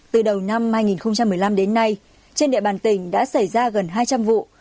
từ đầu năm hai nghìn một mươi năm đến nay trên địa bàn tỉnh đã xảy ra gần hai trăm linh vụ